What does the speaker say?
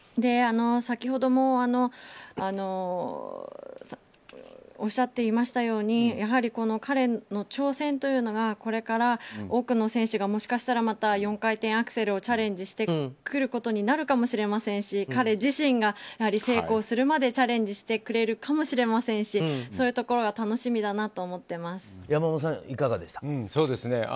先ほどもおっしゃっていましたようにやはり彼の挑戦というのがこれから多くの選手がもしかしたらまた４回転アクセルをチャレンジしてくることになるかもしれませんし彼自身が成功するまでチャレンジしてくれるかもしれませんしそういうところが山本さん、いかがでしたか？